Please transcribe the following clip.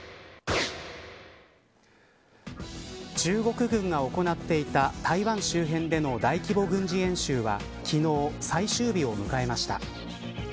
中国軍が行っていた台湾周辺での大規模軍事演習は昨日、最終日を迎えました。